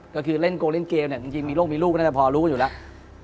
ก็คือเล่นโกงเล่นเกมเนี่ยจริงมีโรคมีลูกน่าจะพอรู้อยู่แล้ว